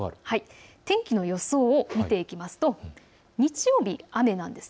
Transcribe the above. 天気の予想を見ていきますと日曜日、雨なんです。